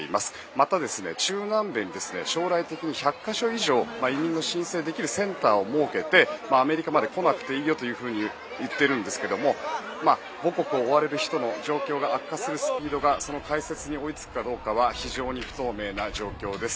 また、中南米に将来的に１００か所以上移民の申請できるセンターを設けてアメリカまで来なくていいよと言っているんですが母国を追われる人の状況が悪化するスピードがその開設に追いつくかどうかは非常に不透明な状況です。